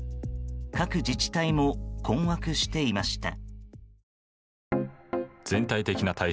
各自治体も困惑していました。